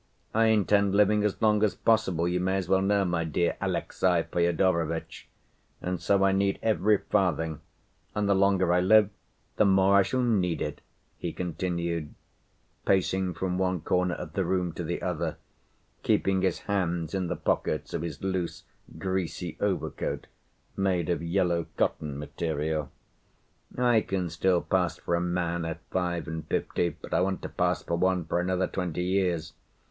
I intend living as long as possible, you may as well know, my dear Alexey Fyodorovitch, and so I need every farthing, and the longer I live, the more I shall need it," he continued, pacing from one corner of the room to the other, keeping his hands in the pockets of his loose greasy overcoat made of yellow cotton material. "I can still pass for a man at five and fifty, but I want to pass for one for another twenty years.